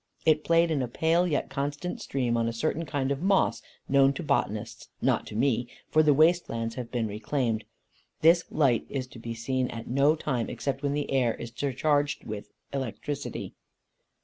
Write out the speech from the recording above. It played in a pale yet constant stream on a certain kind of moss, known to botanists, not to me, for the waste lands have been reclaimed. This light is to be seen at no time, except when the air is surcharged with electricity.